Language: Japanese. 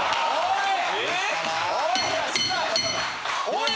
おい！